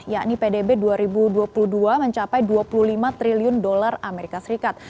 yakni pdb dua ribu dua puluh dua mencapai dua puluh lima triliun dolar amerika serikat